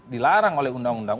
dilarang oleh undang undang